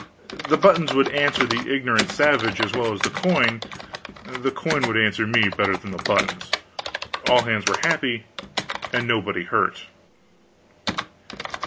The buttons would answer the ignorant savage as well as the coin, the coin would answer me better than the buttons; all hands were happy and nobody hurt.